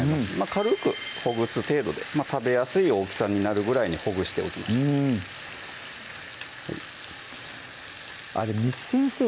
軽くほぐす程度で食べやすい大きさになるぐらいにほぐしておきましょう簾先生